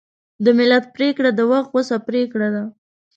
د ملت پرېکړه د وخت غوڅه پرېکړه ده.